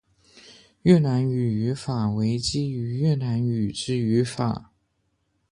越南语语法为基于越南语之语法。